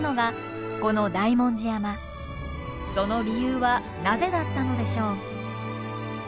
その理由はなぜだったのでしょう？